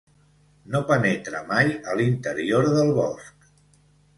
No penetra mai a l'interior del bosc.